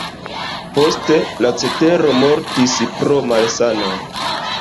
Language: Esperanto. Poste, la cetero mortis pro malsanoj.